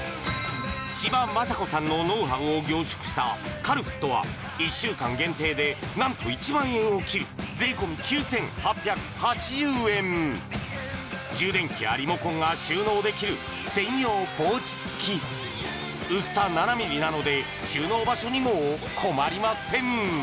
千葉真子さんのノウハウを凝縮したカルフットは１週間限定で何と１００００円を切る税込９８８０円充電器やリモコンが収納できる専用ポーチ付き薄さ７ｍｍなので収納場所にも困りません